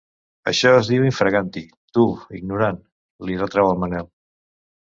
Això es diu in fraganti, tu, ignorant —li retrau el Manel.